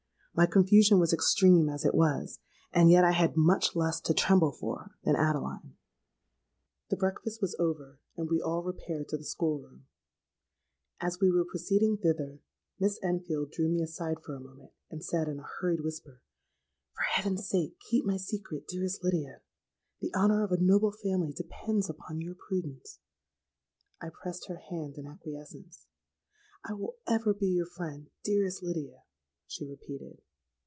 My confusion was extreme as it was; and yet I had much less to tremble for than Adeline. "The breakfast was over; and we all repaired to the school room. As we were proceeding thither, Miss Enfield drew me aside for a moment, and said in a hurried whisper, 'For heaven's sake, keep my secret, dearest Lydia: the honour of a noble family depends upon your prudence!'—I pressed her hand in acquiescence.—'I will ever be your friend, dearest Lydia,' she repeated.